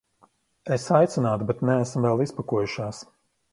Es aicinātu, bet neesam vēl izpakojušās.